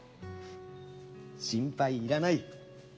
心配いらない。